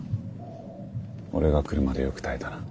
俺が来るまでよく耐えたな。